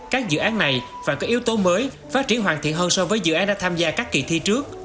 các dự án này phải có yếu tố mới phát triển hoàn thiện hơn so với dự án đã tham gia các kỳ thi trước